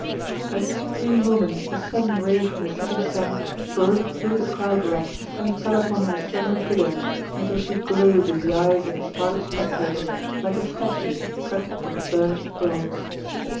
At the supreme moment a sudden ray from the setting sun broke through the cloud wrack and fell upon her slender figure until she glowed in the eyes of the startled spectators like a statue cut in burnished bronze.